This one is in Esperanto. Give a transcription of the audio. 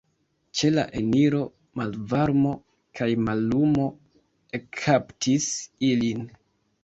Ĉe la eniro malvarmo kaj mallumo ekkaptis ilin.